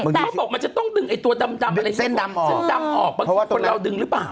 แต่เขาบอกมันจะต้องดึงไอ้ตัวดำเส้นดำออกเส้นดำออกเพราะว่าคนเราดึงหรือเปล่า